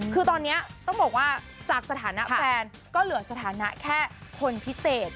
คือตอนนี้ต้องบอกว่าจากสถานะแฟนก็เหลือสถานะแค่คนพิเศษ